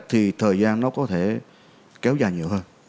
thì thời gian nó có thể kéo dài nhiều hơn